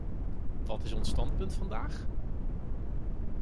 Wat is ons standpunt vandaag?